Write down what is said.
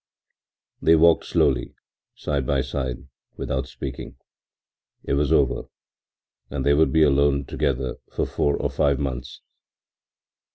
They walked slowly, side by side, without speaking. It was over, and they would be alone together for four or five months.